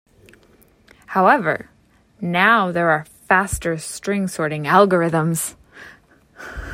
However, now there are faster string sorting algorithms.